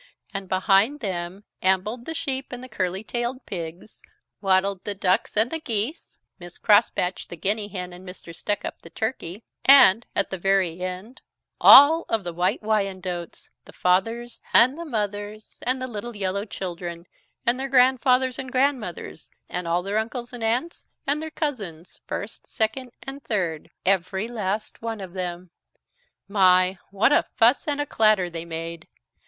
And behind them ambled the sheep and the curley tailed pigs; waddled the ducks and the geese; Miss Crosspatch, the Guinea Hen, and Mr. Stuckup, the turkey; and, at the very end, all of the White Wyandottes, the fathers and the mothers, and the little yellow children, and their grandfathers and grandmothers, and all their uncles and aunts, and their cousins, first, second, and third every last one of them. My what a fuss and a clatter they made!